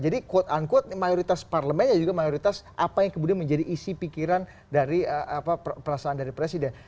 jadi quote unquote mayoritas parlemen ya juga mayoritas apa yang kemudian menjadi isi pikiran dari perasaan dari presiden